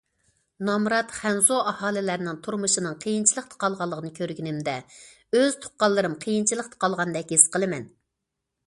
نامرات خەنزۇ ئاھالىلەرنىڭ تۇرمۇشىنىڭ قىيىنچىلىقتا قالغىنىنى كۆرگىنىمدە ئۆز تۇغقانلىرىم قىيىنچىلىقتا قالغاندەك ھېس قىلىمەن.